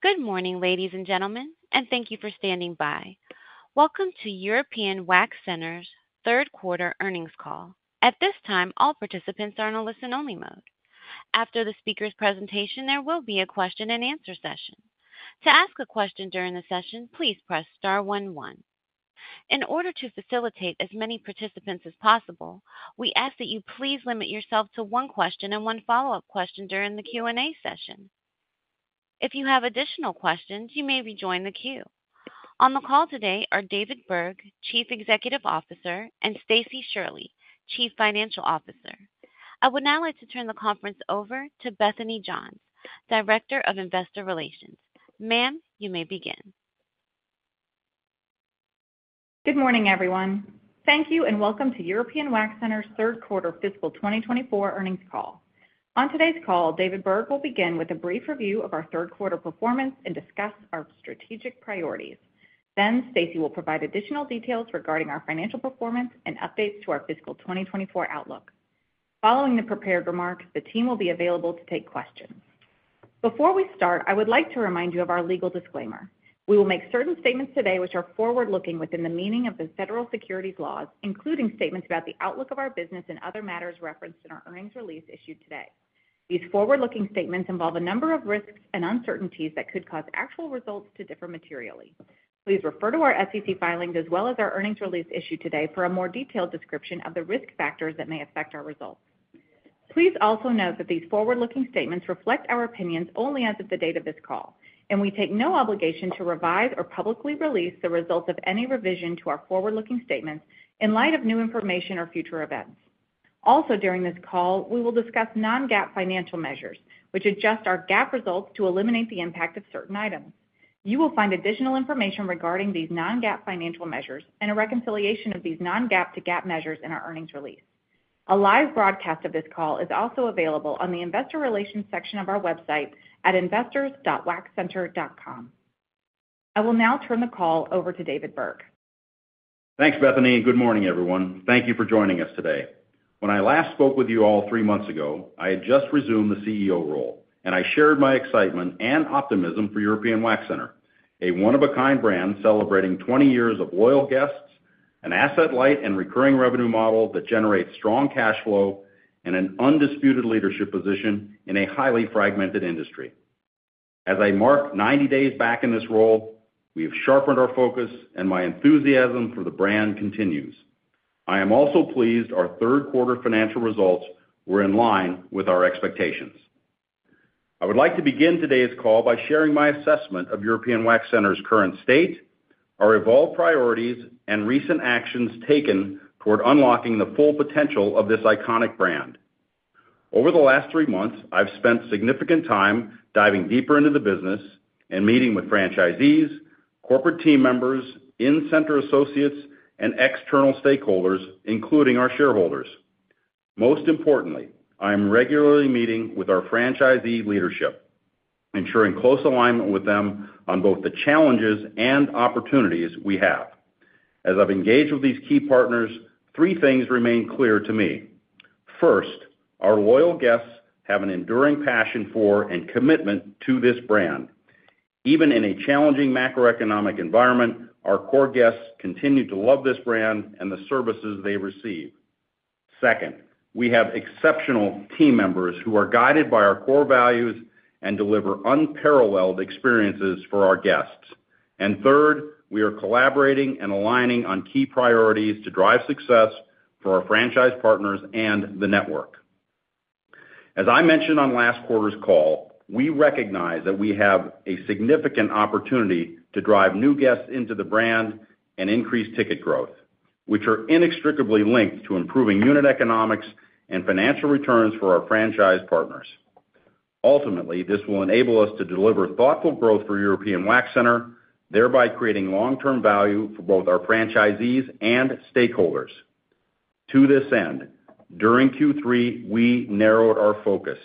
Good morning, ladies and gentlemen, and thank you for standing by. Welcome to European Wax Center's third quarter earnings call. At this time, all participants are in a listen-only mode. After the speaker's presentation, there will be a question-and-answer session. To ask a question during the session, please press star one one. In order to facilitate as many participants as possible, we ask that you please limit yourself to one question and one follow-up question during the Q&A session. If you have additional questions, you may rejoin the queue. On the call today are David Berg, Chief Executive Officer, and Stacie Shirley, Chief Financial Officer. I would now like to turn the conference over to Bethany Johns, Director of Investor Relations. Ma'am, you may begin. Good morning, everyone. Thank you and welcome to European Wax Center's third quarter fiscal 2024 earnings call. On today's call, David Berg will begin with a brief review of our third quarter performance and discuss our strategic priorities. Then, Stacie will provide additional details regarding our financial performance and updates to our fiscal 2024 outlook. Following the prepared remarks, the team will be available to take questions. Before we start, I would like to remind you of our legal disclaimer. We will make certain statements today which are forward-looking within the meaning of the federal securities laws, including statements about the outlook of our business and other matters referenced in our earnings release issued today. These forward-looking statements involve a number of risks and uncertainties that could cause actual results to differ materially. Please refer to our SEC filings as well as our earnings release issued today for a more detailed description of the risk factors that may affect our results. Please also note that these forward-looking statements reflect our opinions only as of the date of this call, and we take no obligation to revise or publicly release the results of any revision to our forward-looking statements in light of new information or future events. Also, during this call, we will discuss non-GAAP financial measures which adjust our GAAP results to eliminate the impact of certain items. You will find additional information regarding these non-GAAP financial measures and a reconciliation of these non-GAAP to GAAP measures in our earnings release. A live broadcast of this call is also available on the Investor Relations section of our website at investors.waxcenter.com. I will now turn the call over to David Berg. Thanks, Bethany. And good morning, everyone. Thank you for joining us today. When I last spoke with you all three months ago, I had just resumed the Chief Executive Officer role, and I shared my excitement and optimism for European Wax Center, a one-of-a-kind brand celebrating 20 years of loyal guests, an asset-light and recurring revenue model that generates strong cash flow, and an undisputed leadership position in a highly fragmented industry. As I mark 90 days back in this role, we have sharpened our focus, and my enthusiasm for the brand continues. I am also pleased our third quarter financial results were in line with our expectations. I would like to begin today's call by sharing my assessment of European Wax Center's current state, our evolved priorities, and recent actions taken toward unlocking the full potential of this iconic brand. Over the last three months, I've spent significant time diving deeper into the business and meeting with franchisees, corporate team members, in-center associates, and external stakeholders, including our shareholders. Most importantly, I am regularly meeting with our franchisee leadership, ensuring close alignment with them on both the challenges and opportunities we have. As I've engaged with these key partners, three things remain clear to me. First, our loyal guests have an enduring passion for and commitment to this brand. Even in a challenging macroeconomic environment, our core guests continue to love this brand and the services they receive. Second, we have exceptional team members who are guided by our core values and deliver unparalleled experiences for our guests. And third, we are collaborating and aligning on key priorities to drive success for our franchise partners and the network. As I mentioned on last quarter's call, we recognize that we have a significant opportunity to drive new guests into the brand and increase ticket growth, which are inextricably linked to improving unit economics and financial returns for our franchise partners. Ultimately, this will enable us to deliver thoughtful growth for European Wax Center, thereby creating long-term value for both our franchisees and stakeholders. To this end, during Q3, we narrowed our focus,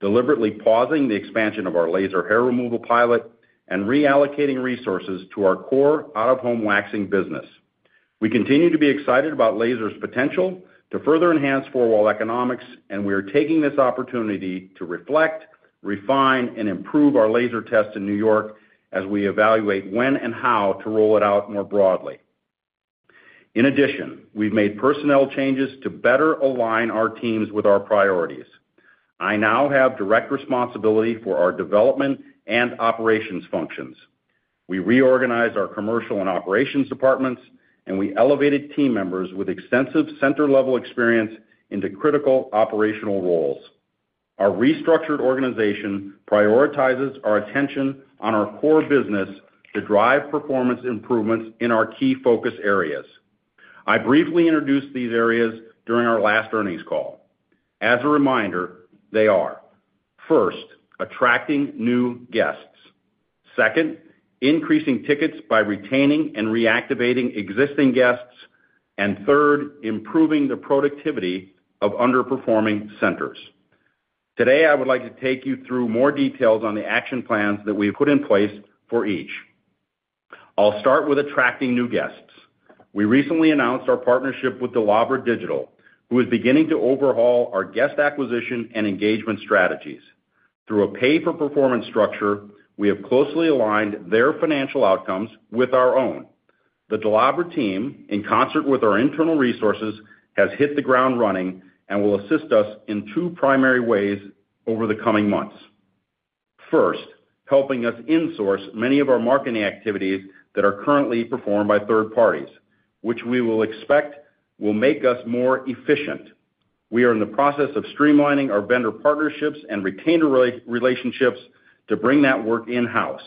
deliberately pausing the expansion of our laser hair removal pilot and reallocating resources to our core out-of-home waxing business. We continue to be excited about laser's potential to further enhance four-wall economics, and we are taking this opportunity to reflect, refine, and improve our laser tests in New York as we evaluate when and how to roll it out more broadly. In addition, we've made personnel changes to better align our teams with our priorities. I now have direct responsibility for our development and operations functions. We reorganized our commercial and operations departments, and we elevated team members with extensive center-level experience into critical operational roles. Our restructured organization prioritizes our attention on our core business to drive performance improvements in our key focus areas. I briefly introduced these areas during our last earnings call. As a reminder, they are: first, attracting new guests. Second, increasing tickets by retaining and reactivating existing guests. And third, improving the productivity of underperforming centers. Today, I would like to take you through more details on the action plans that we have put in place for each. I'll start with attracting new guests. We recently announced our partnership with Dolabra Digital, who is beginning to overhaul our guest acquisition and engagement strategies. Through a pay-for-performance structure, we have closely aligned their financial outcomes with our own. The Dolabra team, in concert with our internal resources, has hit the ground running and will assist us in two primary ways over the coming months. First, helping us insource many of our marketing activities that are currently performed by third parties, which we will expect will make us more efficient. We are in the process of streamlining our vendor partnerships and retainer relationships to bring that work in-house,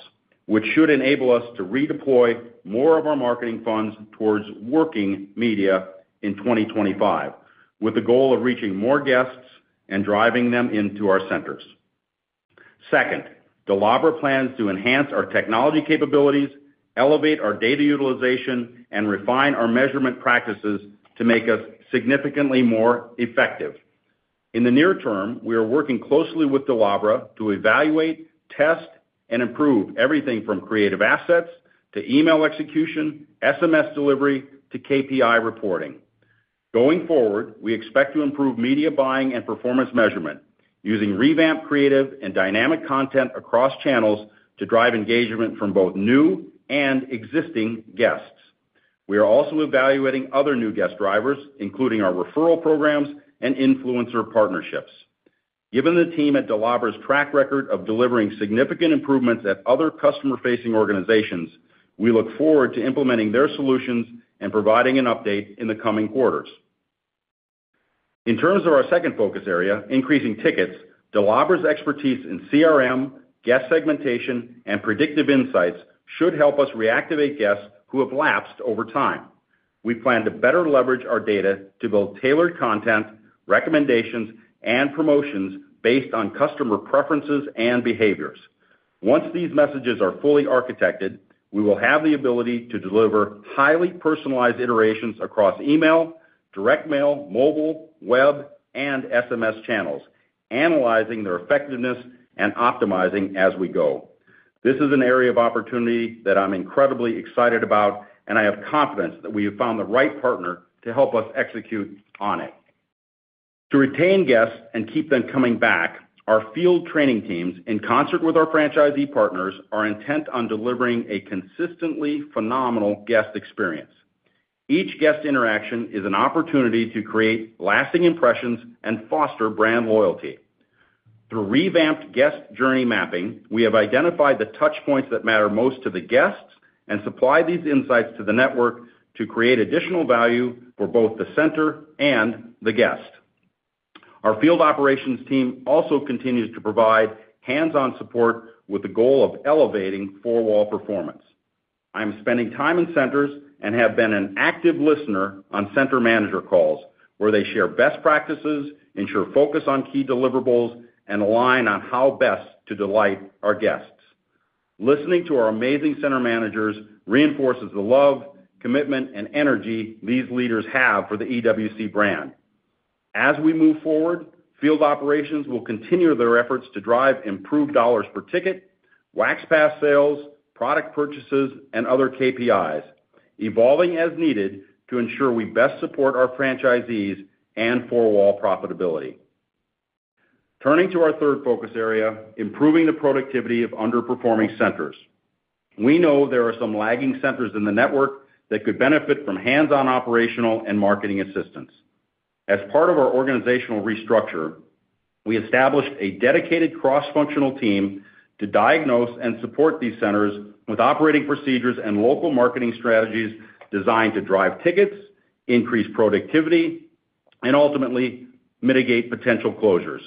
which should enable us to redeploy more of our marketing funds towards working media in 2025, with the goal of reaching more guests and driving them into our centers. Second, DELABRA plans to enhance our technology capabilities, elevate our data utilization, and refine our measurement practices to make us significantly more effective. In the near term, we are working closely with DELABRA to evaluate, test, and improve everything from creative assets to email execution, SMS delivery, to KPI reporting. Going forward, we expect to improve media buying and performance measurement, using revamped creative and dynamic content across channels to drive engagement from both new and existing guests. We are also evaluating other new guest drivers, including our referral programs and influencer partnerships. Given the team at DELABRA's track record of delivering significant improvements at other customer-facing organizations, we look forward to implementing their solutions and providing an update in the coming quarters. In terms of our second focus area, increasing tickets, DELABRA's expertise in CRM, guest segmentation, and predictive insights should help us reactivate guests who have lapsed over time. We plan to better leverage our data to build tailored content, recommendations, and promotions based on customer preferences and behaviors. Once these messages are fully architected, we will have the ability to deliver highly personalized iterations across email, direct mail, mobile, web, and SMS channels, analyzing their effectiveness and optimizing as we go. This is an area of opportunity that I'm incredibly excited about, and I have confidence that we have found the right partner to help us execute on it. To retain guests and keep them coming back, our field training teams, in concert with our franchisee partners, are intent on delivering a consistently phenomenal guest experience. Each guest interaction is an opportunity to create lasting impressions and foster brand loyalty. Through revamped guest journey mapping, we have identified the touchpoints that matter most to the guests and supplied these insights to the network to create additional value for both the center and the guest. Our field operations team also continues to provide hands-on support with the goal of elevating four-wall performance. I'm spending time in centers and have been an active listener on center manager calls where they share best practices, ensure focus on key deliverables, and align on how best to delight our guests. Listening to our amazing center managers reinforces the love, commitment, and energy these leaders have for the EWC brand. As we move forward, field operations will continue their efforts to drive improved dollars per ticket, Wax Pass sales, product purchases, and other KPIs, evolving as needed to ensure we best support our franchisees and four-wall profitability. Turning to our third focus area, improving the productivity of underperforming centers. We know there are some lagging centers in the network that could benefit from hands-on operational and marketing assistance. As part of our organizational restructure, we established a dedicated cross-functional team to diagnose and support these centers with operating procedures and local marketing strategies designed to drive tickets, increase productivity, and ultimately mitigate potential closures.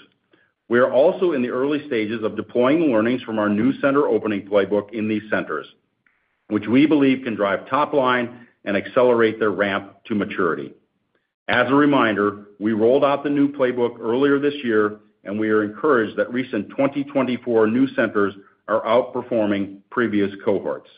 We are also in the early stages of deploying learnings from our new center opening playbook in these centers, which we believe can drive top line and accelerate their ramp to maturity. As a reminder, we rolled out the new playbook earlier this year, and we are encouraged that recent 2024 new centers are outperforming previous cohorts.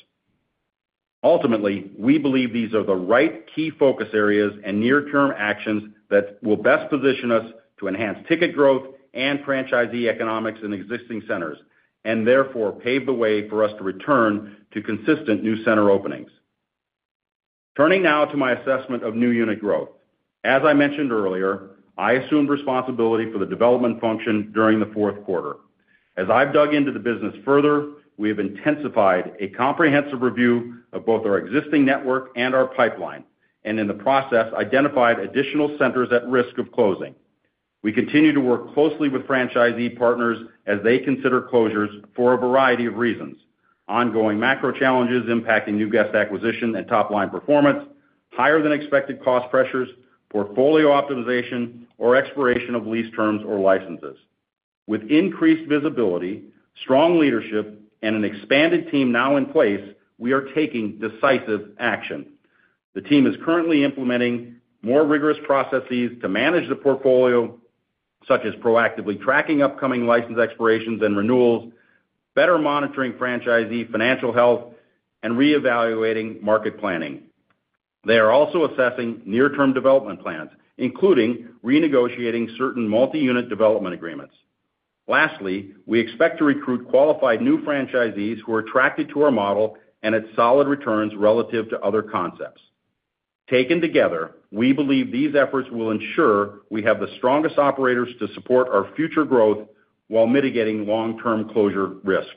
Ultimately, we believe these are the right key focus areas and near-term actions that will best position us to enhance ticket growth and franchisee economics in existing centers and therefore pave the way for us to return to consistent new center openings. Turning now to my assessment of new unit growth. As I mentioned earlier, I assumed responsibility for the development function during the fourth quarter. As I've dug into the business further, we have intensified a comprehensive review of both our existing network and our pipeline, and in the process, identified additional centers at risk of closing. We continue to work closely with franchisee partners as they consider closures for a variety of reasons: ongoing macro challenges impacting new guest acquisition and top-line performance, higher-than-expected cost pressures, portfolio optimization, or expiration of lease terms or licenses. With increased visibility, strong leadership, and an expanded team now in place, we are taking decisive action. The team is currently implementing more rigorous processes to manage the portfolio, such as proactively tracking upcoming license expirations and renewals, better monitoring franchisee financial health, and reevaluating market planning. They are also assessing near-term development plans, including renegotiating certain multi-unit development agreements. Lastly, we expect to recruit qualified new franchisees who are attracted to our model and its solid returns relative to other concepts. Taken together, we believe these efforts will ensure we have the strongest operators to support our future growth while mitigating long-term closure risk.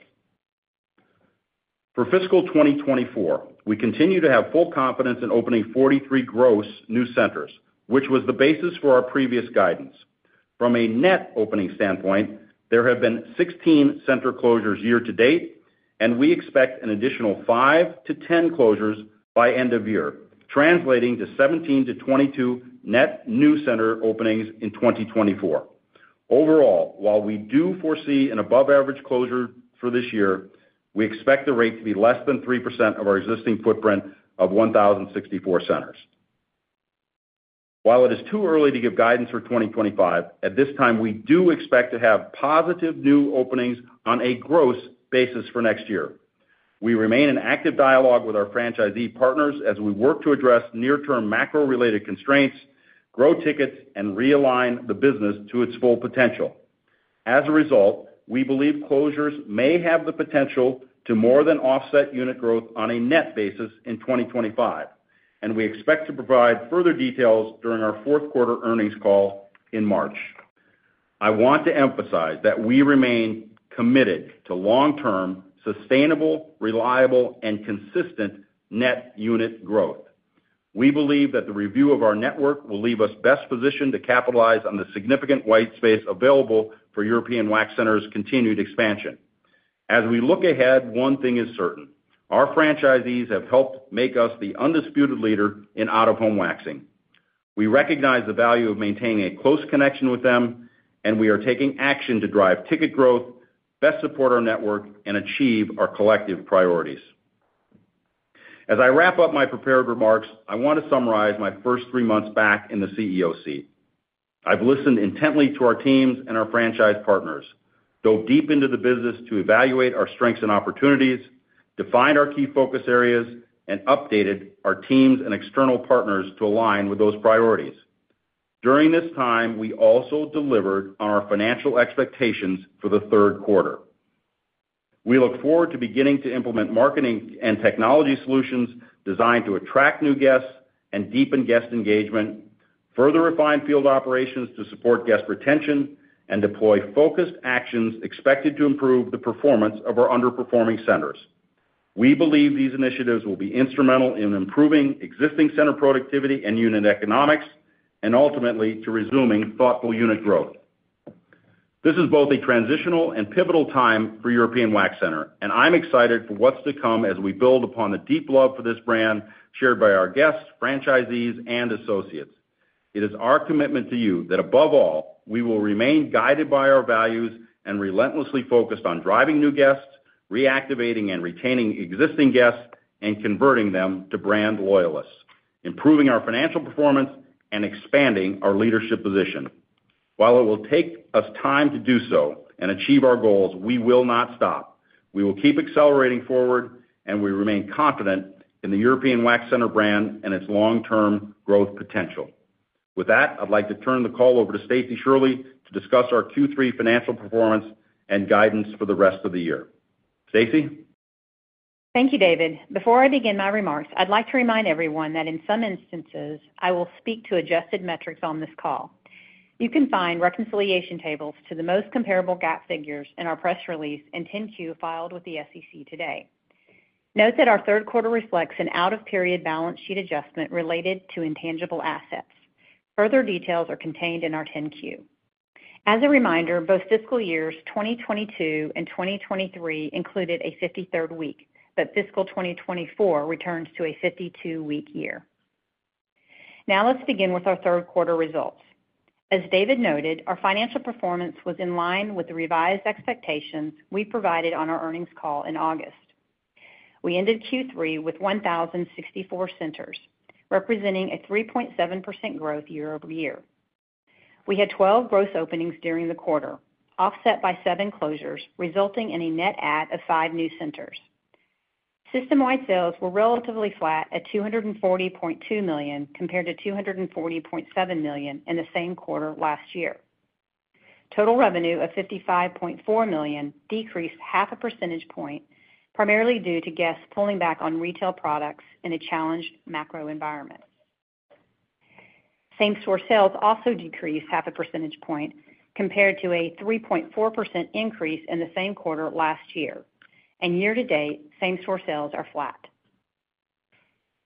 For fiscal 2024, we continue to have full confidence in opening 43 gross new centers, which was the basis for our previous guidance. From a net opening standpoint, there have been 16 center closures year to date, and we expect an additional 5-10 closures by end of year, translating to 17-22 net new center openings in 2024. Overall, while we do foresee an above-average closure for this year, we expect the rate to be less than 3% of our existing footprint of 1,064 centers. While it is too early to give guidance for 2025, at this time, we do expect to have positive new openings on a gross basis for next year. We remain in active dialogue with our franchisee partners as we work to address near-term macro-related constraints, grow tickets, and realign the business to its full potential. As a result, we believe closures may have the potential to more than offset unit growth on a net basis in 2025, and we expect to provide further details during our fourth quarter earnings call in March. I want to emphasize that we remain committed to long-term, sustainable, reliable, and consistent net unit growth. We believe that the review of our network will leave us best positioned to capitalize on the significant white space available for European Wax Center's continued expansion. As we look ahead, one thing is certain: our franchisees have helped make us the undisputed leader in out-of-home waxing. We recognize the value of maintaining a close connection with them, and we are taking action to drive ticket growth, best support our network, and achieve our collective priorities. As I wrap up my prepared remarks, I want to summarize my first three months back in the Chief Executive Officer seat. I've listened intently to our teams and our franchise partners, dove deep into the business to evaluate our strengths and opportunities, defined our key focus areas, and updated our teams and external partners to align with those priorities. During this time, we also delivered on our financial expectations for the third quarter. We look forward to beginning to implement marketing and technology solutions designed to attract new guests and deepen guest engagement, further refine field operations to support guest retention, and deploy focused actions expected to improve the performance of our underperforming centers. We believe these initiatives will be instrumental in improving existing center productivity and unit economics, and ultimately to resuming thoughtful unit growth. This is both a transitional and pivotal time for European Wax Center, and I'm excited for what's to come as we build upon the deep love for this brand shared by our guests, franchisees, and associates. It is our commitment to you that above all, we will remain guided by our values and relentlessly focused on driving new guests, reactivating and retaining existing guests, and converting them to brand loyalists, improving our financial performance, and expanding our leadership position. While it will take us time to do so and achieve our goals, we will not stop. We will keep accelerating forward, and we remain confident in the European Wax Center brand and its long-term growth potential. With that, I'd like to turn the call over to Stacie Shirley to discuss our Q3 financial performance and guidance for the rest of the year. Stacie? Thank you, David. Before I begin my remarks, I'd like to remind everyone that in some instances, I will speak to adjusted metrics on this call. You can find reconciliation tables to the most comparable GAAP figures in our press release and 10-Q filed with the SEC today. Note that our third quarter reflects an out-of-period balance sheet adjustment related to intangible assets. Further details are contained in our 10-Q. As a reminder, both fiscal years 2022 and 2023 included a 53rd week, but fiscal 2024 returns to a 52-week year. Now let's begin with our third quarter results. As David noted, our financial performance was in line with the revised expectations we provided on our earnings call in August. We ended Q3 with 1,064 centers, representing a 3.7% growth year-over-year. We had 12 gross openings during the quarter, offset by seven closures, resulting in a net add of five new centers. System-wide sales were relatively flat at $240.2 million compared to $240.7 million in the same quarter last year. Total revenue of $55.4 million decreased half a percentage point, primarily due to guests pulling back on retail products in a challenged macro environment. Same-store sales also decreased half a percentage point compared to a 3.4% increase in the same quarter last year. Year to date, same-store sales are flat.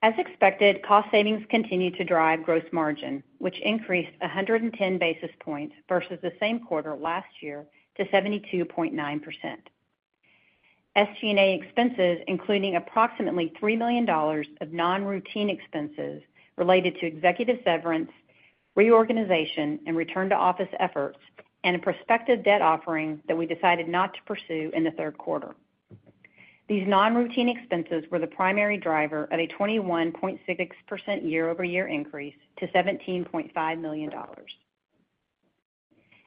As expected, cost savings continue to drive gross margin, which increased 110 basis points versus the same quarter last year to 72.9%. SG&A expenses, including approximately $3 million of non-routine expenses related to executive severance, reorganization, and return-to-office efforts, and a prospective debt offering that we decided not to pursue in the third quarter. These non-routine expenses were the primary driver of a 21.6% year-over-year increase to $17.5 million.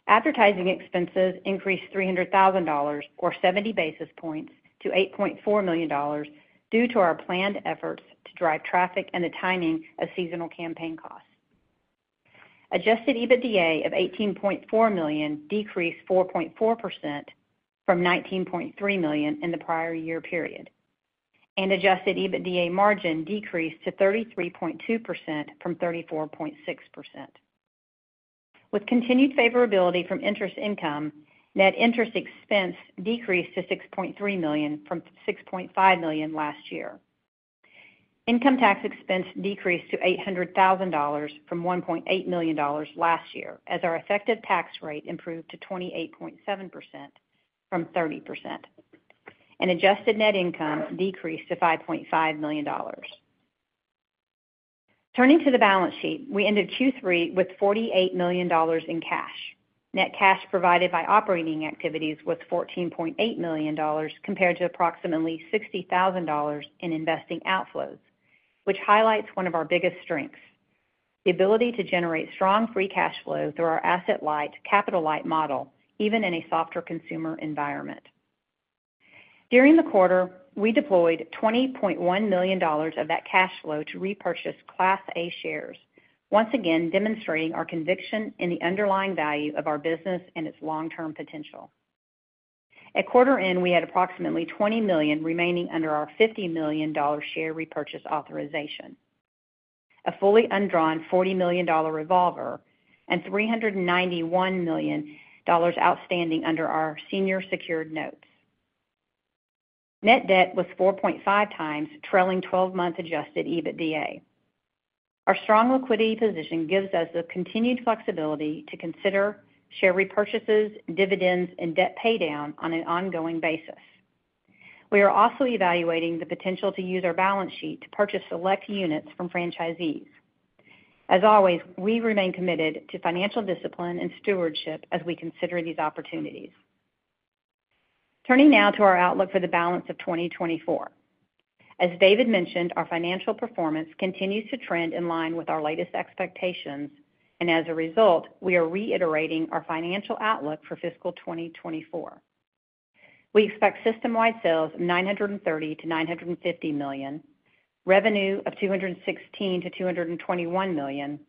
Advertising expenses increased $300,000 or 70 basis points to $8.4 million due to our planned efforts to drive traffic and the timing of seasonal campaign costs. Adjusted EBITDA of $18.4 million decreased 4.4% from $19.3 million in the prior year period, and adjusted EBITDA margin decreased to 33.2% from 34.6%. With continued favorability from interest income, net interest expense decreased to $6.3 million from $6.5 million last year. Income tax expense decreased to $800,000 from $1.8 million last year as our effective tax rate improved to 28.7% from 30%, and adjusted net income decreased to $5.5 million. Turning to the balance sheet, we ended Q3 with $48 million in cash. Net cash provided by operating activities was $14.8 million compared to approximately $60,000 in investing outflows, which highlights one of our biggest strengths: the ability to generate strong free cash flow through our asset-light, capital-light model, even in a softer consumer environment. During the quarter, we deployed $20.1 million of that cash flow to repurchase Class A shares, once again demonstrating our conviction in the underlying value of our business and its long-term potential. At quarter end, we had approximately $20 million remaining under our $50 million share repurchase authorization, a fully undrawn $40 million revolver, and $391 million outstanding under our senior secured notes. Net debt was 4.5 times trailing 12-month adjusted EBITDA. Our strong liquidity position gives us the continued flexibility to consider share repurchases, dividends, and debt paydown on an ongoing basis. We are also evaluating the potential to use our balance sheet to purchase select units from franchisees. As always, we remain committed to financial discipline and stewardship as we consider these opportunities. Turning now to our outlook for the balance of 2024. As David mentioned, our financial performance continues to trend in line with our latest expectations, and as a result, we are reiterating our financial outlook for fiscal 2024. We expect system-wide sales of $930 million-$950 million, revenue of $216 million-$221 million,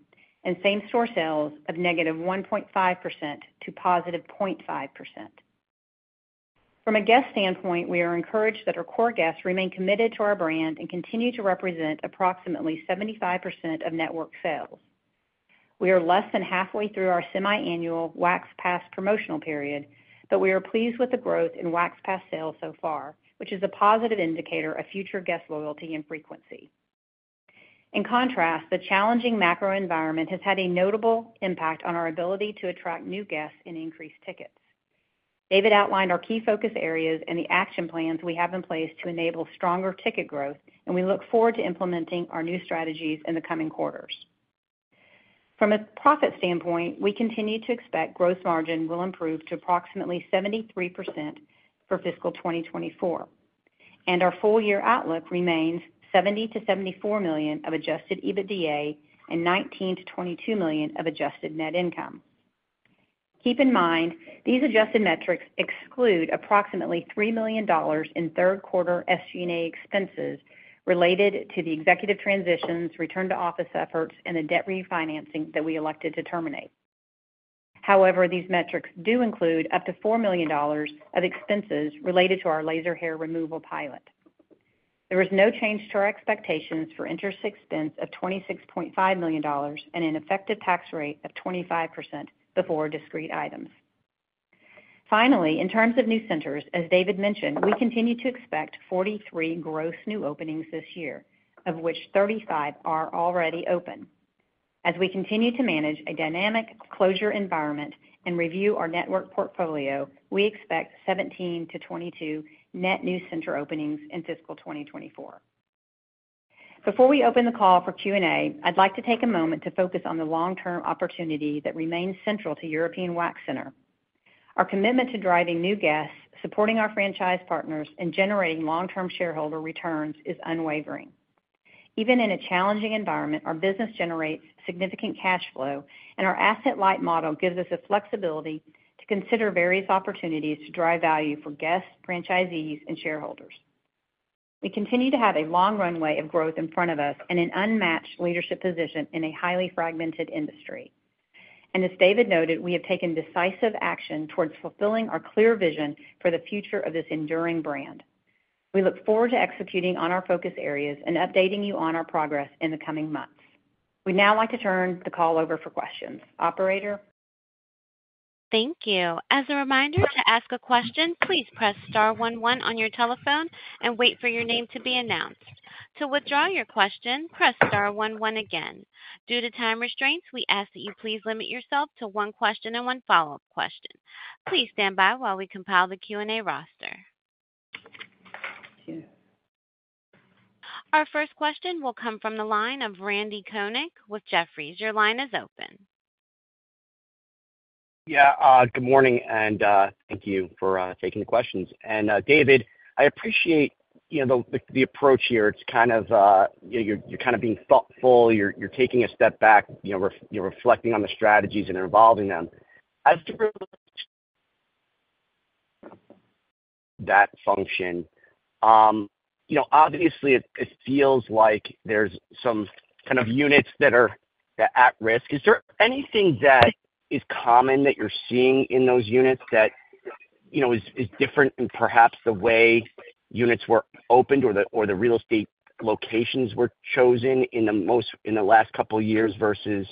and same-store sales of -1.5% to +0.5%. From a guest standpoint, we are encouraged that our core guests remain committed to our brand and continue to represent approximately 75% of network sales. We are less than halfway through our semiannual Wax Pass promotional period, but we are pleased with the growth in Wax Pass sales so far, which is a positive indicator of future guest loyalty and frequency. In contrast, the challenging macro environment has had a notable impact on our ability to attract new guests and increase tickets. David outlined our key focus areas and the action plans we have in place to enable stronger ticket growth, and we look forward to implementing our new strategies in the coming quarters. From a profit standpoint, we continue to expect Gross Margin will improve to approximately 73% for fiscal 2024, and our full-year outlook remains $70 million-$74 million of Adjusted EBITDA and $19 million-$22 million of Adjusted Net Income. Keep in mind, these adjusted metrics exclude approximately $3 million in third-quarter SG&A expenses related to the executive transitions, return-to-office efforts, and the debt refinancing that we elected to terminate. However, these metrics do include up to $4 million of expenses related to our laser hair removal pilot. There is no change to our expectations for interest expense of $26.5 million and an effective tax rate of 25% before discrete items. Finally, in terms of new centers, as David mentioned, we continue to expect 43 gross new openings this year, of which 35 are already open. As we continue to manage a dynamic closure environment and review our network portfolio, we expect 17-22 net new center openings in fiscal 2024. Before we open the call for Q&A, I'd like to take a moment to focus on the long-term opportunity that remains central to European Wax Center. Our commitment to driving new guests, supporting our franchise partners, and generating long-term shareholder returns is unwavering. Even in a challenging environment, our business generates significant cash flow, and our asset-light model gives us the flexibility to consider various opportunities to drive value for guests, franchisees, and shareholders. We continue to have a long runway of growth in front of us and an unmatched leadership position in a highly fragmented industry. And as David noted, we have taken decisive action towards fulfilling our clear vision for the future of this enduring brand. We look forward to executing on our focus areas and updating you on our progress in the coming months. We'd now like to turn the call over for questions. Operator. Thank you. As a reminder, to ask a question, please press star one one on your telephone and wait for your name to be announced. To withdraw your question, press star one one again. Due to time constraints, we ask that you please limit yourself to one question and one follow-up question. Please stand by while we compile the Q&A roster. Our first question will come from the line of Randy Konik with Jefferies. Your line is open. Yeah. Good morning, and thank you for taking the questions. And David, I appreciate the approach here. It's kind of you're kind of being thoughtful. You're taking a step back, reflecting on the strategies and involving them. As to that function, obviously, it feels like there's some kind of units that are at risk. Is there anything that is common that you're seeing in those units that is different in perhaps the way units were opened or the real estate locations were chosen in the last couple of years versus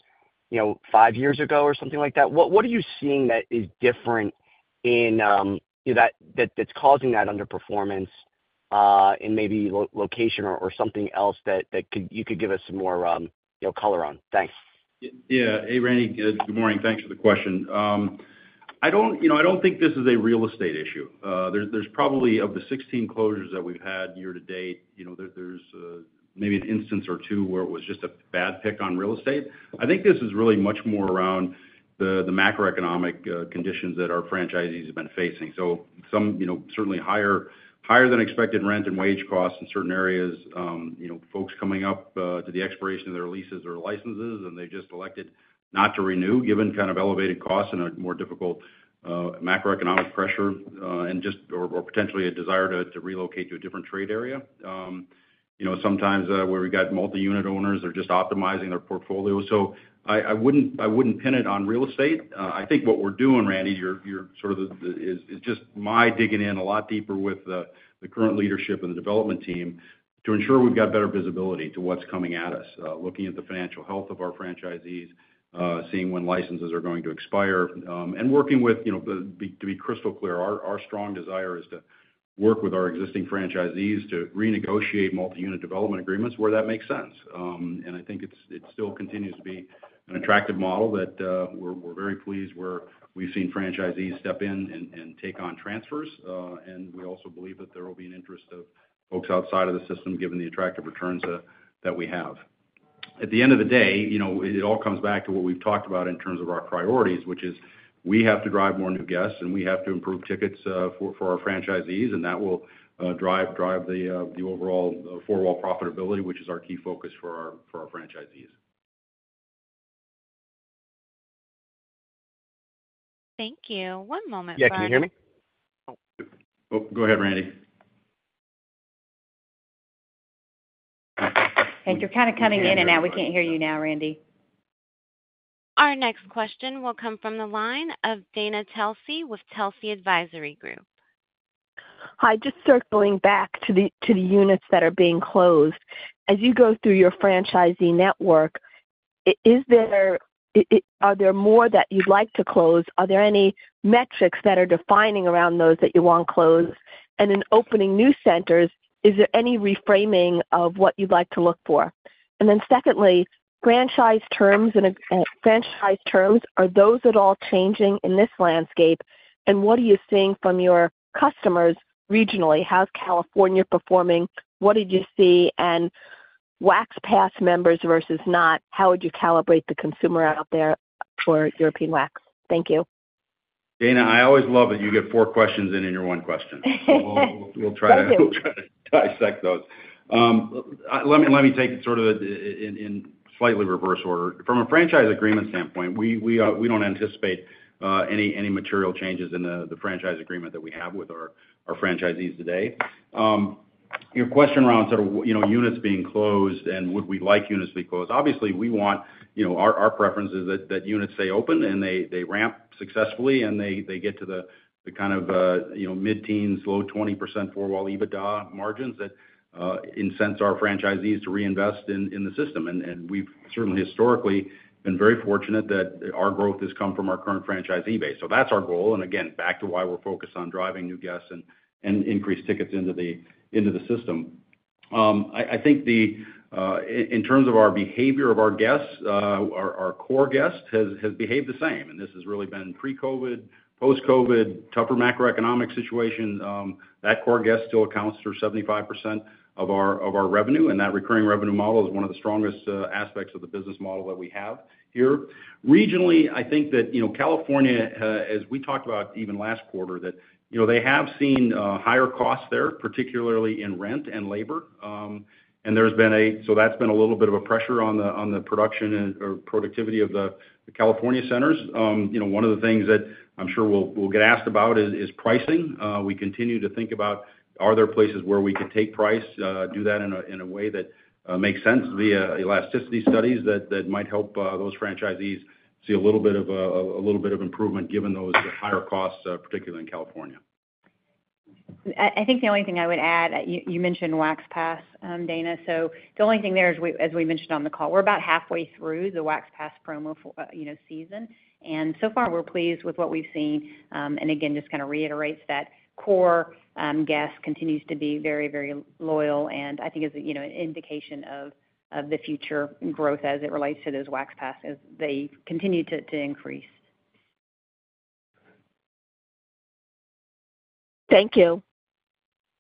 five years ago or something like that? What are you seeing that is different that's causing that underperformance in maybe location or something else that you could give us some more color on? Thanks. Yeah. Hey, Randy. Good morning. Thanks for the question. I don't think this is a real estate issue. There's probably, of the 16 closures that we've had year to date, there's maybe an instance or two where it was just a bad pick on real estate. I think this is really much more around the macroeconomic conditions that our franchisees have been facing. So some certainly higher than expected rent and wage costs in certain areas, folks coming up to the expiration of their leases or licenses, and they've just elected not to renew given kind of elevated costs and a more difficult macroeconomic pressure and just or potentially a desire to relocate to a different trade area. Sometimes where we've got multi-unit owners are just optimizing their portfolio. So I wouldn't pin it on real estate. I think what we're doing, Randy, sort of is just my digging in a lot deeper with the current leadership and the development team to ensure we've got better visibility to what's coming at us, looking at the financial health of our franchisees, seeing when licenses are going to expire, and working with, to be crystal clear, our strong desire is to work with our existing franchisees to renegotiate multi-unit development agreements where that makes sense. And I think it still continues to be an attractive model that we're very pleased where we've seen franchisees step in and take on transfers. And we also believe that there will be an interest of folks outside of the system given the attractive returns that we have. At the end of the day, it all comes back to what we've talked about in terms of our priorities, which is we have to drive more new guests, and we have to improve tickets for our franchisees, and that will drive the overall four-wall profitability, which is our key focus for our franchisees. Thank you. One moment for me. Yeah. Can you hear me? Oh, go ahead, Randy. Hey, you're kind of cutting in and out. We can't hear you now, Randy. Our next question will come from the line of Dana Telsey with Telsey Advisory Group. Hi. Just circling back to the units that are being closed. As you go through your franchisee network, are there more that you'd like to close? Are there any metrics that are defining around those that you want closed? And in opening new centers, is there any reframing of what you'd like to look for? And then secondly, franchise terms, are those at all changing in this landscape? And what are you seeing from your customers regionally? How's California performing? What did you see? And Wax Pass members versus not, how would you calibrate the consumer out there for European Wax? Thank you. Dana, I always love that you get four questions in your one question. We'll try to dissect those. Let me take it sort of in slightly reverse order. From a franchise agreement standpoint, we don't anticipate any material changes in the franchise agreement that we have with our franchisees today. Your question around sort of units being closed and would we like units to be closed? Obviously, we want our preference is that units stay open and they ramp successfully and they get to the kind of mid-teens, low 20% four-wall EBITDA margins that incent our franchisees to reinvest in the system. And we've certainly historically been very fortunate that our growth has come from our current franchisee base. So that's our goal. And again, back to why we're focused on driving new guests and increased tickets into the system. I think in terms of our behavior of our guests, our core guest has behaved the same. And this has really been pre-COVID, post-COVID, tougher macroeconomic situation. That core guest still accounts for 75% of our revenue, and that recurring revenue model is one of the strongest aspects of the business model that we have here. Regionally, I think that California, as we talked about even last quarter, that they have seen higher costs there, particularly in rent and labor. And there's been, so that's been a little bit of a pressure on the production or productivity of the California centers. One of the things that I'm sure we'll get asked about is pricing. We continue to think about, are there places where we can take price, do that in a way that makes sense via elasticity studies that might help those franchisees see a little bit of improvement given those higher costs, particularly in California? I think the only thing I would add, you mentioned Wax Pass, Dana. So the only thing there, as we mentioned on the call, we're about halfway through the Wax Pass promo season. And so far, we're pleased with what we've seen. And again, just kind of reiterates that core guest continues to be very, very loyal, and I think is an indication of the future growth as it relates to those Wax Pass as they continue to increase. Thank you.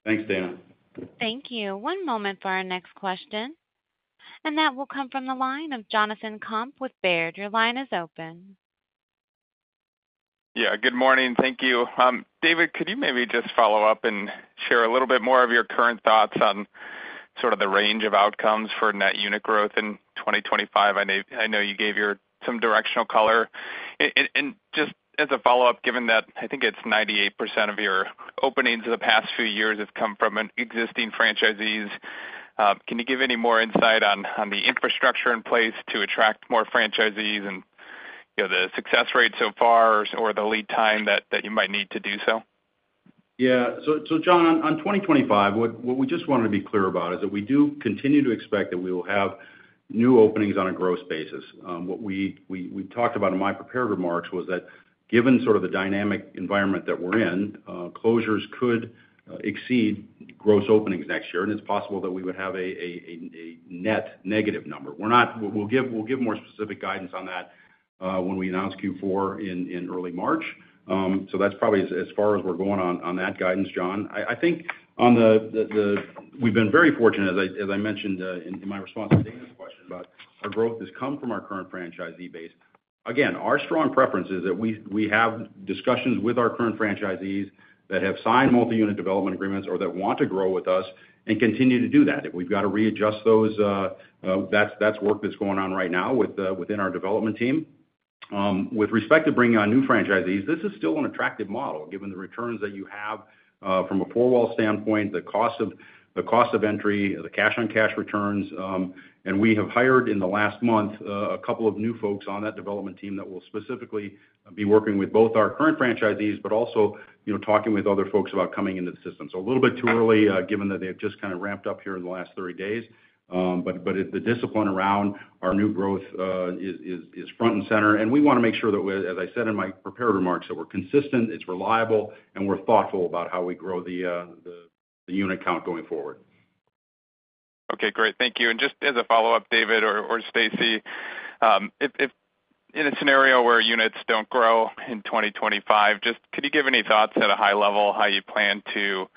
Thanks, Dana. Thank you. One moment for our next question. And that will come from the line of Jonathan Komp with Baird. Your line is open. Yeah. Good morning. Thank you. David, could you maybe just follow up and share a little bit more of your current thoughts on sort of the range of outcomes for net unit growth in 2025? I know you gave some directional color. And just as a follow-up, given that I think it's 98% of your openings in the past few years have come from existing franchisees, can you give any more insight on the infrastructure in place to attract more franchisees and the success rate so far or the lead time that you might need to do so? Yeah. So John, on 2025, what we just wanted to be clear about is that we do continue to expect that we will have new openings on a gross basis. What we talked about in my prepared remarks was that given sort of the dynamic environment that we're in, closures could exceed gross openings next year, and it's possible that we would have a net negative number. We'll give more specific guidance on that when we announce Q4 in early March. So that's probably as far as we're going on that guidance, John. I think we've been very fortunate, as I mentioned in my response to Dana's question, but our growth has come from our current franchisee base. Again, our strong preference is that we have discussions with our current franchisees that have signed multi-unit development agreements or that want to grow with us and continue to do that. If we've got to readjust those, that's work that's going on right now within our development team. With respect to bringing on new franchisees, this is still an attractive model given the returns that you have from a four-wall standpoint, the cost of entry, the cash-on-cash returns, and we have hired in the last month a couple of new folks on that development team that will specifically be working with both our current franchisees but also talking with other folks about coming into the system. So a little bit too early given that they've just kind of ramped up here in the last 30 days. But the discipline around our new growth is front and center. And we want to make sure that, as I said in my prepared remarks, that we're consistent, it's reliable, and we're thoughtful about how we grow the unit count going forward. Okay. Great. Thank you. And just as a follow-up, David or Stacie, in a scenario where units don't grow in 2025, just could you give any thoughts at a high level how you plan to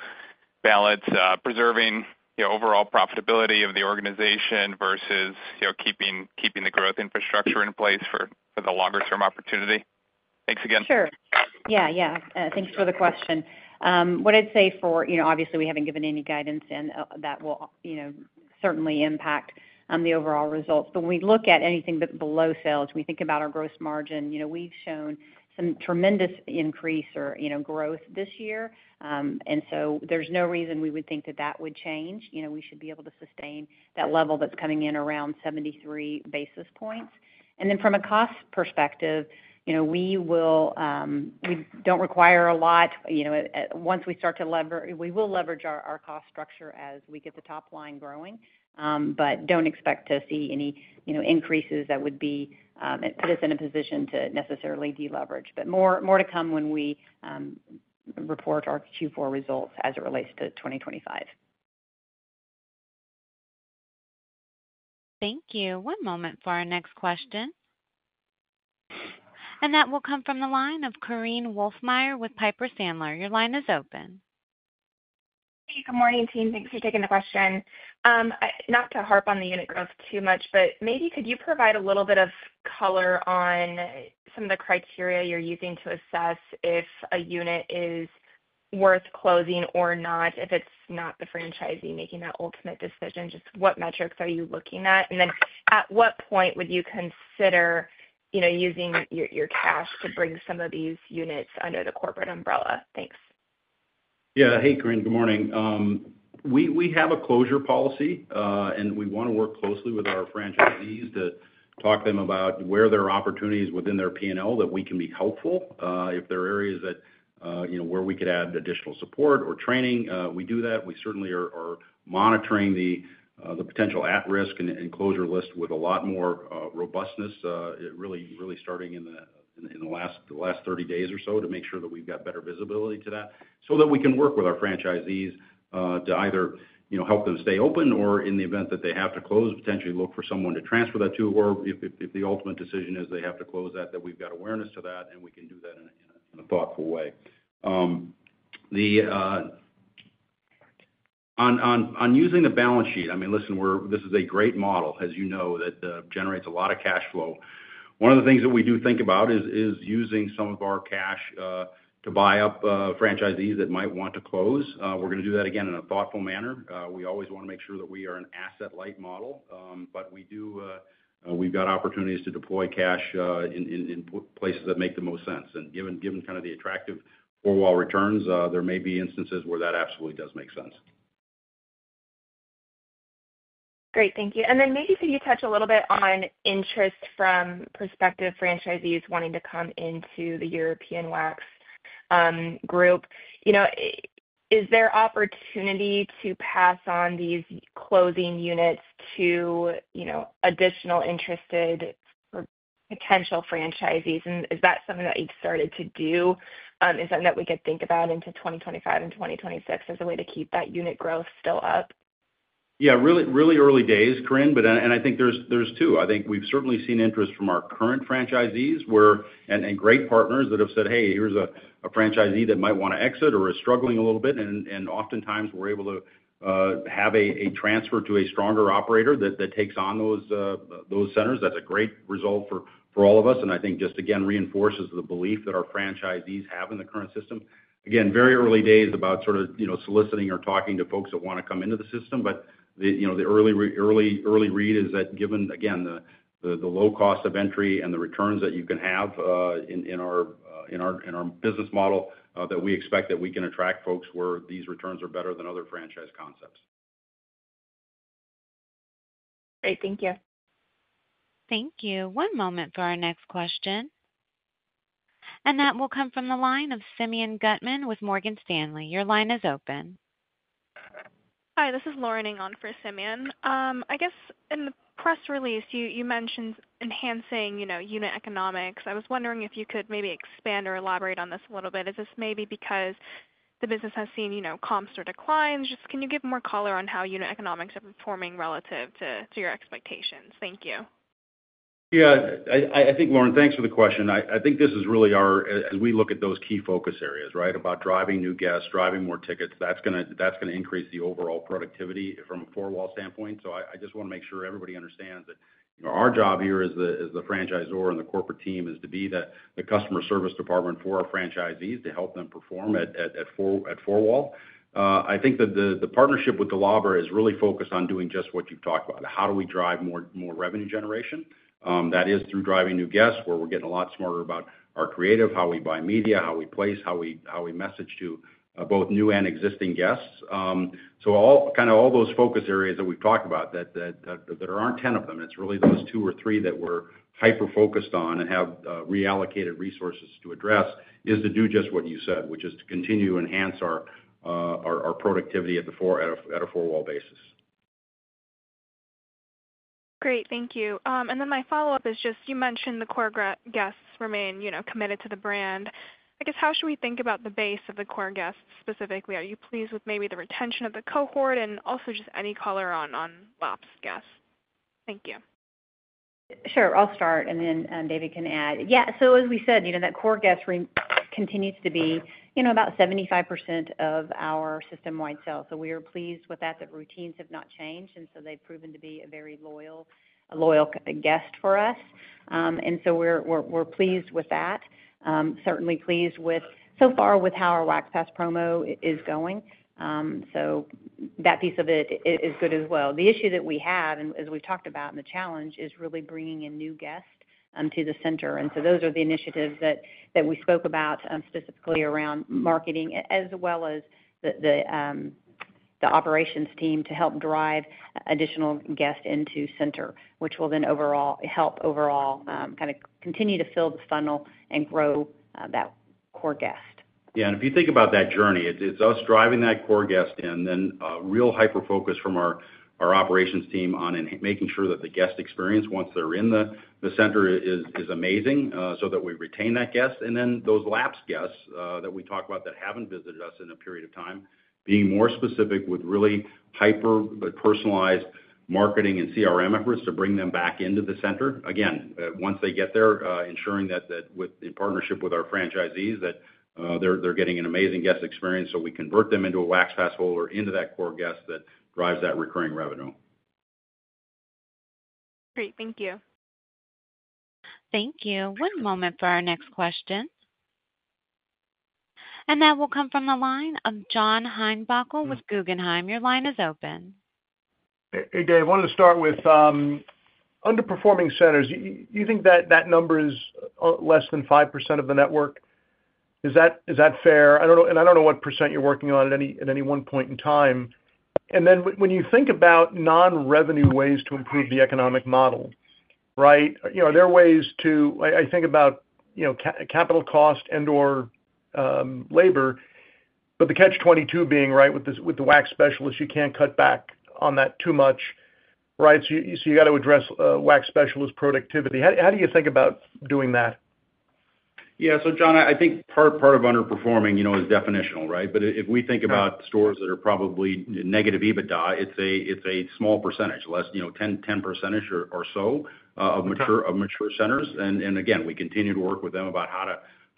balance preserving overall profitability of the organization versus keeping the growth infrastructure in place for the longer-term opportunity? Thanks again. Sure. Yeah. Yeah. Thanks for the question. What I'd say for obviously, we haven't given any guidance, and that will certainly impact the overall results. But when we look at anything below sales, when we think about our gross margin, we've shown some tremendous increase or growth this year. And so there's no reason we would think that that would change. We should be able to sustain that level that's coming in around 73 basis points. And then from a cost perspective, we don't require a lot. Once we start to leverage, we will leverage our cost structure as we get the top line growing, but don't expect to see any increases that would put us in a position to necessarily deleverage. But more to come when we report our Q4 results as it relates to 2025. Thank you. One moment for our next question. And that will come from the line of Korinne Wolfmeyer with Piper Sandler. Your line is open. Hey, good morning, team. Thanks for taking the question. Not to harp on the unit growth too much, but maybe could you provide a little bit of color on some of the criteria you're using to assess if a unit is worth closing or not, if it's not the franchisee making that ultimate decision? Just what metrics are you looking at? And then at what point would you consider using your cash to bring some of these units under the corporate umbrella? Thanks. Yeah. Hey, Korinne. Good morning. We have a closure policy, and we want to work closely with our franchisees to talk to them about where there are opportunities within their P&L that we can be helpful. If there are areas where we could add additional support or training, we do that. We certainly are monitoring the potential at-risk and closure list with a lot more robustness, really starting in the last 30 days or so to make sure that we've got better visibility to that so that we can work with our franchisees to either help them stay open or, in the event that they have to close, potentially look for someone to transfer that to. Or if the ultimate decision is they have to close that, that we've got awareness to that, and we can do that in a thoughtful way. On using the balance sheet, I mean, listen, this is a great model, as you know, that generates a lot of cash flow. One of the things that we do think about is using some of our cash to buy up franchisees that might want to close. We're going to do that again in a thoughtful manner. We always want to make sure that we are an asset-light model, but we've got opportunities to deploy cash in places that make the most sense. And given kind of the attractive four-wall returns, there may be instances where that absolutely does make sense. Great. Thank you. And then maybe could you touch a little bit on interest from prospective franchisees wanting to come into the European Wax Center? Is there opportunity to pass on these closing units to additional interested potential franchisees? And is that something that you've started to do? Is that something that we could think about into 2025 and 2026 as a way to keep that unit growth still up? Yeah. Really early days, Korinne, and I think there's two. I think we've certainly seen interest from our current franchisees and great partners that have said, "Hey, here's a franchisee that might want to exit or is struggling a little bit." And oftentimes, we're able to have a transfer to a stronger operator that takes on those centers. That's a great result for all of us. And I think just, again, reinforces the belief that our franchisees have in the current system. Again, very early days about sort of soliciting or talking to folks that want to come into the system. But the early read is that given, again, the low cost of entry and the returns that you can have in our business model, that we expect that we can attract folks where these returns are better than other franchise concepts. Great. Thank you. Thank you. One moment for our next question. That will come from the line of Simeon Gutman with Morgan Stanley. Your line is open. Hi. This is Lauren Ingallen for Simeon. I guess in the press release, you mentioned enhancing unit economics. I was wondering if you could maybe expand or elaborate on this a little bit. Is this maybe because the business has seen comps or declines? Just can you give more color on how unit economics are performing relative to your expectations? Thank you. Yeah. I think, Lauren, thanks for the question. I think this is really our as we look at those key focus areas, right, about driving new guests, driving more tickets, that's going to increase the overall productivity from a four-wall standpoint. I just want to make sure everybody understands that our job here as the franchisor and the corporate team is to be the customer service department for our franchisees to help them perform at four-wall. I think that the partnership with Dolabra is really focused on doing just what you've talked about. How do we drive more revenue generation? That is through driving new guests where we're getting a lot smarter about our creative, how we buy media, how we place, how we message to both new and existing guests. So kind of all those focus areas that we've talked about, that there aren't 10 of them. It's really those two or three that we're hyper-focused on and have reallocated resources to address is to do just what you said, which is to continue to enhance our productivity at a four-wall basis. Great. Thank you. And then my follow-up is just you mentioned the core guests remain committed to the brand. I guess how should we think about the base of the core guests specifically? Are you pleased with maybe the retention of the cohort and also just any color on Wax Pass? Thank you. Sure. I'll start, and then David can add. Yeah. So as we said, that core guest continues to be about 75% of our system-wide sales. So we are pleased with that. The routines have not changed, and so they've proven to be a very loyal guest for us. And so we're pleased with that. Certainly pleased so far with how our Wax Pass promo is going. So that piece of it is good as well. The issue that we have, and as we've talked about, and the challenge is really bringing in new guests to the center. And so those are the initiatives that we spoke about specifically around marketing as well as the operations team to help drive additional guests into center, which will then help overall kind of continue to fill the funnel and grow that core guest. Yeah. And if you think about that journey, it's us driving that core guest in, then real hyper-focus from our operations team on making sure that the guest experience once they're in the center is amazing so that we retain that guest. And then those lapsed guests that we talked about that haven't visited us in a period of time, being more specific with really hyper-personalized marketing and CRM efforts to bring them back into the center. Again, once they get there, ensuring that in partnership with our franchisees that they're getting an amazing guest experience so we convert them into a Wax Pass holder into that core guest that drives that recurring revenue. Great. Thank you. Thank you. One moment for our next question, and that will come from the line of John Heinbockel with Guggenheim. Your line is open. Hey, David. I wanted to start with underperforming centers. You think that number is less than 5% of the network? Is that fair, and I don't know what percent you're working on at any one point in time, and then when you think about non-revenue ways to improve the economic model, right, are there ways to I think about capital cost and/or labor, but the catch-22 being, right, with the Wax Specialists, you can't cut back on that too much, right? So you got to address Wax Specialists' productivity. How do you think about doing that? Yeah. So John, I think part of underperforming is definitional, right? But if we think about stores that are probably negative EBITDA, it's a small percentage, less than 10% or so of mature centers. And again, we continue to work with them about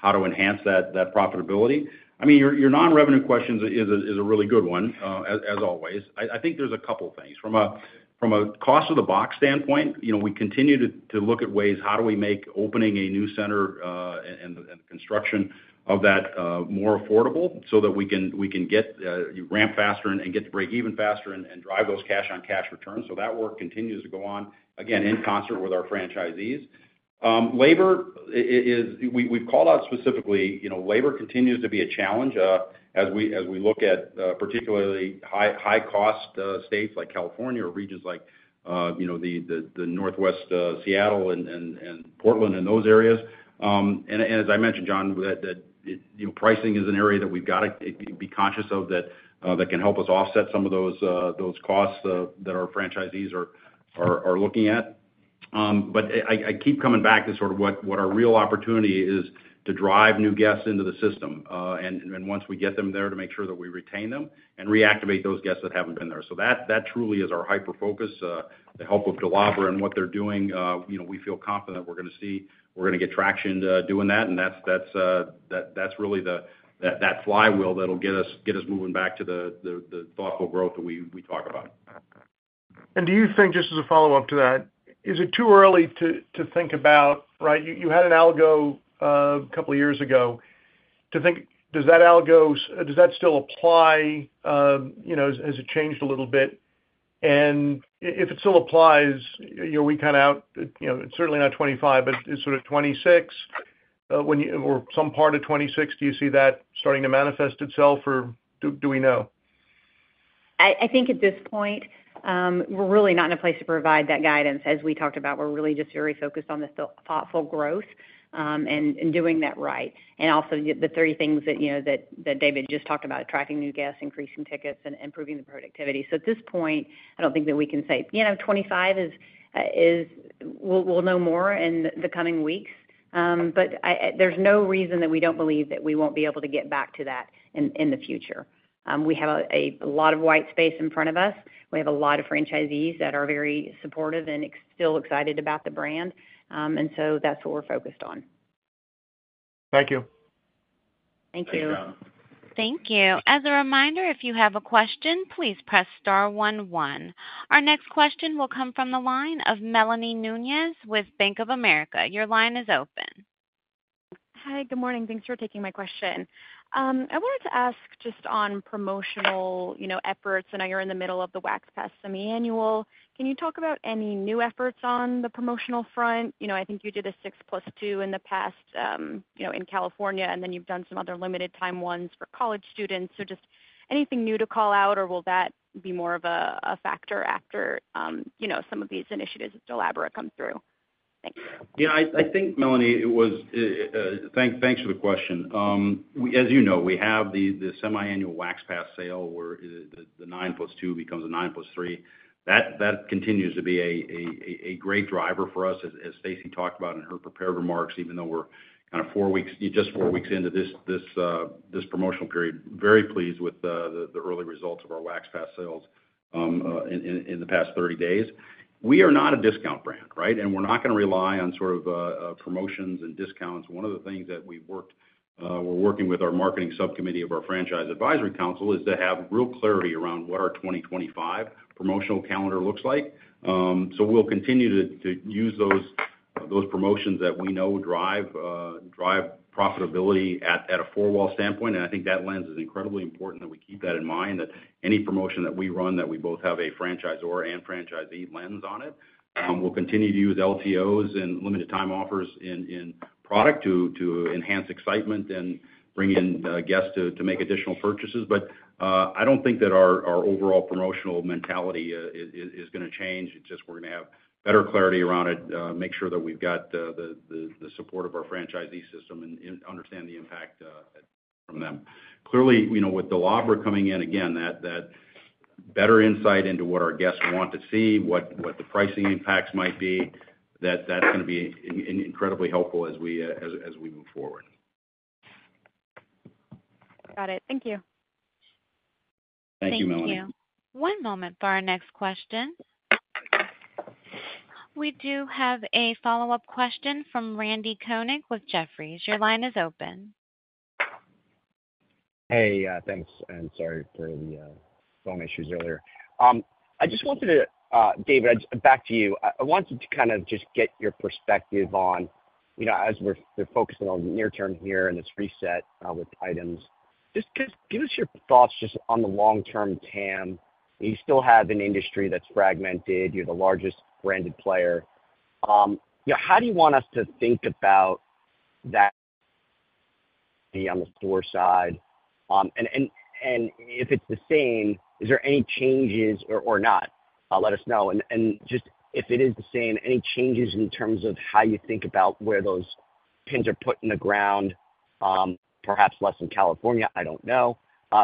how to enhance that profitability. I mean, your non-revenue question is a really good one, as always. I think there's a couple of things. From a cost-of-the-box standpoint, we continue to look at ways how do we make opening a new center and the construction of that more affordable so that we can ramp faster and get to break even faster and drive those cash-on-cash returns. So that work continues to go on, again, in concert with our franchisees. Labor, we've called out specifically. Labor continues to be a challenge as we look at particularly high-cost states like California or regions like the Northwest, Seattle, and Portland and those areas. And as I mentioned, John, that pricing is an area that we've got to be conscious of that can help us offset some of those costs that our franchisees are looking at. But I keep coming back to sort of what our real opportunity is to drive new guests into the system. And once we get them there, to make sure that we retain them and reactivate those guests that haven't been there. So that truly is our hyper-focus. The help of Dolabra and what they're doing, we feel confident that we're going to get traction doing that. And that's really that flywheel that'll get us moving back to the thoughtful growth that we talk about. Do you think, just as a follow-up to that, is it too early to think about, right? You had an algo a couple of years ago. Does that algo still apply? Has it changed a little bit? And if it still applies, we kind of ought certainly not 2025, but sort of 2026 or some part of 2026, do you see that starting to manifest itself, or do we know? I think at this point, we're really not in a place to provide that guidance. As we talked about, we're really just very focused on the thoughtful growth and doing that right. And also the three things that David just talked about, attracting new guests, increasing tickets, and improving the productivity. So at this point, I don't think that we can say 25 is we'll know more in the coming weeks. But there's no reason that we don't believe that we won't be able to get back to that in the future. We have a lot of white space in front of us. We have a lot of franchisees that are very supportive and still excited about the brand. And so that's what we're focused on. Thank you. Thank you. Thank you. As a reminder, if you have a question, please press star one one. Our next question will come from the line of Melanie Nuñez with Bank of America. Your line is open. Hi. Good morning. Thanks for taking my question. I wanted to ask just on promotional efforts. I know you're in the middle of the Wax Pass semi-annual. Can you talk about any new efforts on the promotional front? I think you did a 6+2 in the past in California, and then you've done some other limited-time ones for college students, so just anything new to call out, or will that be more of a factor after some of these initiatives with labor come through? Thanks. Yeah. I think, Melanie, it was thanks for the question. As you know, we have the semi-annual Wax Pass sale where the 9+2 becomes a 9+3. That continues to be a great driver for us, as Stacie talked about in her prepared remarks, even though we're kind of just four weeks into this promotional period. Very pleased with the early results of our Wax Pass sales in the past 30 days. We are not a discount brand, right, and we're not going to rely on sort of promotions and discounts. One of the things that we're working with our marketing subcommittee of our franchise advisory council is to have real clarity around what our 2025 promotional calendar looks like. So we'll continue to use those promotions that we know drive profitability at a four-wall standpoint. And I think that lens is incredibly important that we keep that in mind, that any promotion that we run that we both have a franchisor and franchisee lens on it. We'll continue to use LTOs and limited-time offers in product to enhance excitement and bring in guests to make additional purchases. But I don't think that our overall promotional mentality is going to change. It's just we're going to have better clarity around it, make sure that we've got the support of our franchisee system and understand the impact from them. Clearly, with DeLawver coming in, again, that better insight into what our guests want to see, what the pricing impacts might be, that's going to be incredibly helpful as we move forward. Got it. Thank you. Thank you, Melanie. Thank you. One moment for our next question. We do have a follow-up question from Randy Konik with Jefferies. Your line is open. Hey. Thanks. And sorry for the phone issues earlier. I just wanted to, David, back to you. I wanted to kind of just get your perspective on, as we're focusing on the near term here and this reset with items, just give us your thoughts just on the long-term TAM. You still have an industry that's fragmented. You're the largest branded player. How do you want us to think about that on the store side? And if it's the same, is there any changes or not? Let us know. And just if it is the same, any changes in terms of how you think about where those pins are put in the ground, perhaps less in California? I don't know.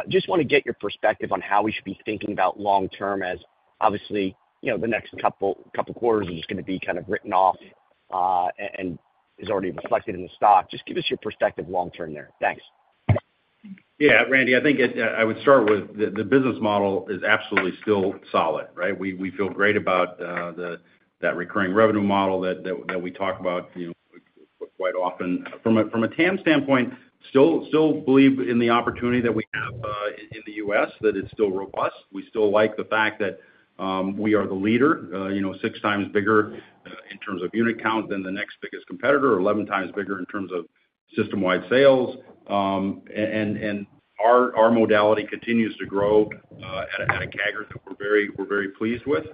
Just want to get your perspective on how we should be thinking about long-term as obviously the next couple of quarters is just going to be kind of written off and is already reflected in the stock. Just give us your perspective long-term there. Thanks. Yeah. Randy, I think I would start with the business model is absolutely still solid, right? We feel great about that recurring revenue model that we talk about quite often. From a TAM standpoint, still believe in the opportunity that we have in the U.S., that it's still robust. We still like the fact that we are the leader, six times bigger in terms of unit count than the next biggest competitor, or 11 times bigger in terms of system-wide sales. And our modality continues to grow at a CAGR that we're very pleased with.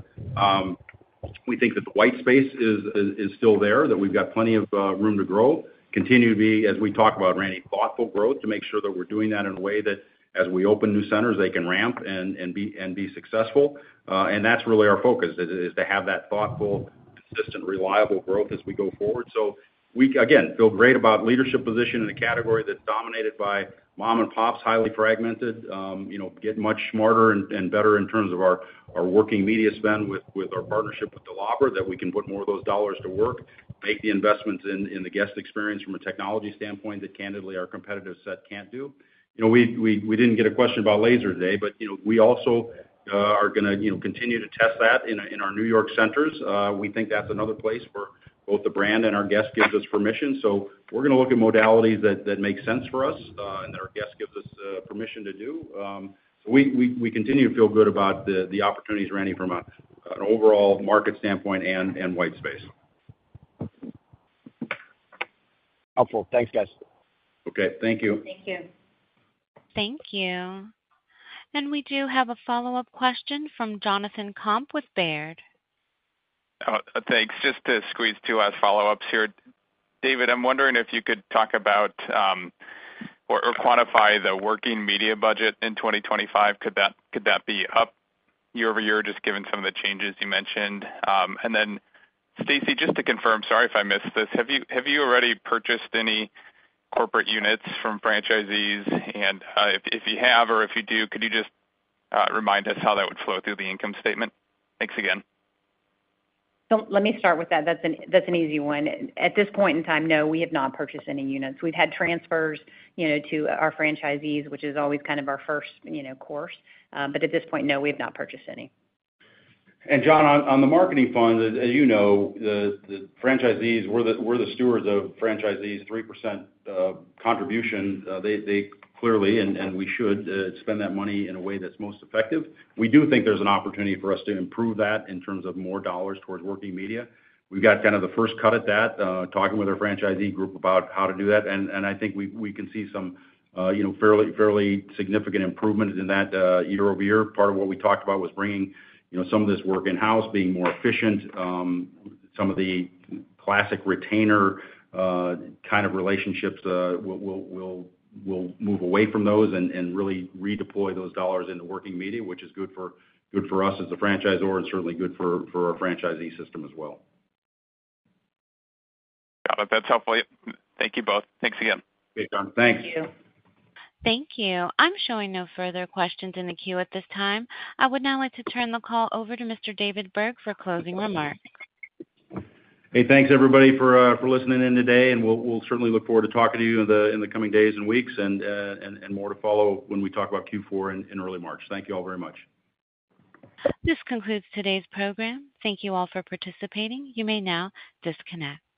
We think that the white space is still there, that we've got plenty of room to grow, continue to be, as we talk about, Randy, thoughtful growth to make sure that we're doing that in a way that as we open new centers, they can ramp and be successful. And that's really our focus, is to have that thoughtful, consistent, reliable growth as we go forward. So we, again, feel great about our leadership position in a category that's dominated by mom-and-pops, highly fragmented, getting much smarter and better in terms of our working media spend with our partnership with DeLawver, that we can put more of those dollars to work, make the investments in the guest experience from a technology standpoint that candidly our competitive set can't do. We didn't get a question about laser today, but we also are going to continue to test that in our New York centers. We think that's another place where both the brand and our guest gives us permission. So we're going to look at modalities that make sense for us and that our guest gives us permission to do. So we continue to feel good about the opportunities, Randy, from an overall market standpoint and white space. Helpful. Thanks, guys. Okay. Thank you. Thank you. Thank you. We do have a follow-up question from Jonathan Komp with Baird. Thanks. Just to squeeze two last follow-ups here. David, I'm wondering if you could talk about or quantify the working media budget in 2025. Could that be up year-over-year, just given some of the changes you mentioned? And then, Stacie, just to confirm, sorry if I missed this, have you already purchased any corporate units from franchisees? And if you have or if you do, could you just remind us how that would flow through the income statement? Thanks again. Let me start with that. That's an easy one. At this point in time, no, we have not purchased any units. We've had transfers to our franchisees, which is always kind of our first course. But at this point, no, we have not purchased any. John, on the marketing fund, as you know, the franchisees were the stewards of franchisees' 3% contribution. They clearly, and we should, spend that money in a way that's most effective. We do think there's an opportunity for us to improve that in terms of more dollars towards working media. We've got kind of the first cut at that, talking with our franchisee group about how to do that. I think we can see some fairly significant improvements in that year-over-year. Part of what we talked about was bringing some of this work in-house, being more efficient. Some of the classic retainer kind of relationships, we'll move away from those and really redeploy those dollars into working media, which is good for us as a franchisor and certainly good for our franchisee system as well. Got it. That's helpful. Thank you both. Thanks again. Thanks. Thank you. Thank you. I'm showing no further questions in the queue at this time. I would now like to turn the call over to Mr. David Berg for closing remarks. Hey, thanks, everybody, for listening in today. And we'll certainly look forward to talking to you in the coming days and weeks and more to follow when we talk about Q4 in early March. Thank you all very much. This concludes today's program. Thank you all for participating. You may now disconnect.